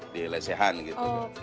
di lesahan gitu